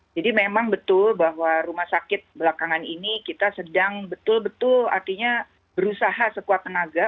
jadi memang betul bahwa rumah sakit belakangan ini kita sedang betul betul artinya berusaha sekuat tenaga